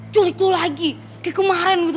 culik tuh lagi kayak kemarin gitu